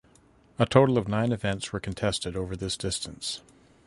A total of nine events were contested over this distance.